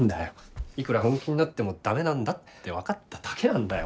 いくら本気になっても駄目なんだって分かっただけなんだよ。